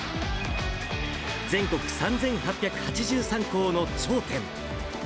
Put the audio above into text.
全国３８８３校の頂点。